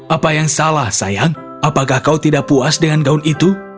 apa yang salah sayang apakah kau tidak puas dengan gaun itu